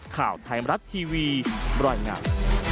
ข่าวไทยมรัฐทีวีบรรยายงาน